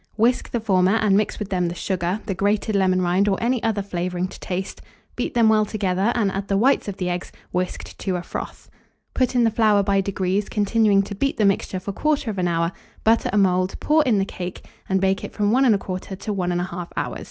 Whisk the former, and mix with them the sugar, the grated lemon rind, or any other flavouring to taste; beat them well together, and add the whites of the eggs, whisked to a froth. Put in the flour by degrees, continuing to beat the mixture for 1/4 hour, butter a mould, pour in the cake, and bake it from 1 1/4 to 1 1/2 hour.